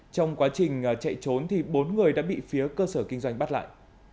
trong quá trình chạy trốn bốn người đã bị phía cơ sở kinh doanh bắt lại